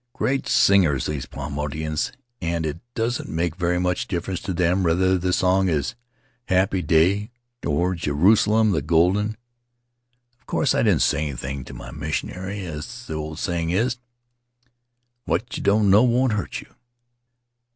Great singers these Paumotuans, and Faery Lands of the South Seas it doesn't make very much difference to them whether the song is * Happy Day' or 'Jerusalem, the Golden.' Of course I didn't say anything to my missionary. As the old saying is, 'What you don't know won't hurt you."'